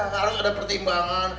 harus ada pertimbangan